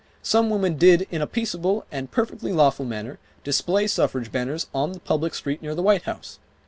Some women did in a peaceable, and perfectly lawful manner, display suffrage banners on the public street near the White House.